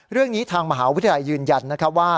เรื่องนี้ทางมหาวิทยาลัยยืนยันนะครับว่า